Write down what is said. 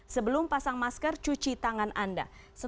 sebelum pasang masker cuci tangan anda